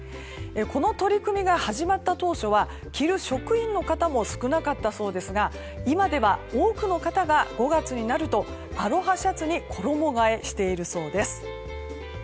この取り組みが始まった当初は着る職員の方も少なかったそうですが今では多くの方が５月になるとアロハシャツに衣替えしているそうです。